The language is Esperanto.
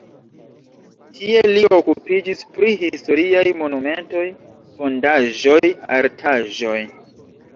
Tie li okupiĝis pri historiaj monumentoj, fondaĵoj, artaĵoj.